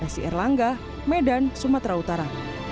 sir langga medan sumatera utara